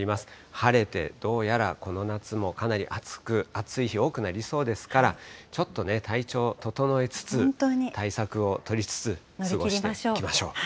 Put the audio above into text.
晴れてどうやらこの夏もかなり暑く、暑い日多くなりそうですから、ちょっと体調整えつつ、対策を取りつつ過ごしていきましょう。